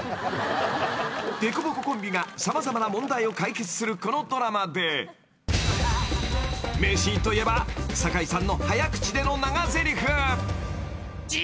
［凸凹コンビが様々な問題を解決するこのドラマで名シーンといえば堺さんの］